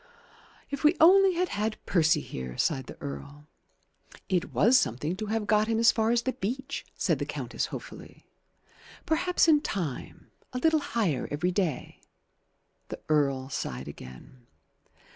"If we only had had Percy here!" sighed the Earl. "It was something to have got him as far as the beach," said the Countess hopefully. "Perhaps in time a little higher every day " The Earl sighed again.